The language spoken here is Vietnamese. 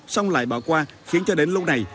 xong lại bỏ qua khiến cho đến lúc này